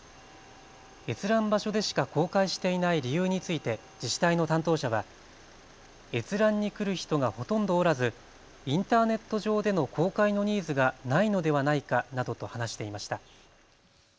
閲覧場所でしか公開していない理由について自治体の担当者は閲覧に来る人がほとんどおらず、インターネット上での公開のニーズがないのではないかなどと話していました。